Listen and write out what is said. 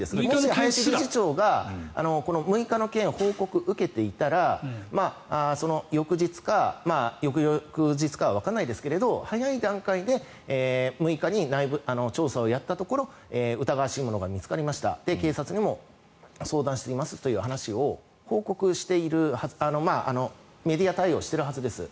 林理事長が、この６日の件報告を受けていたら翌日か翌々日かはわからないですが早い段階で６日に内部調査をやったところ疑わしいものが見つかりました警察も相談していますという話をメディア対応しているはずです。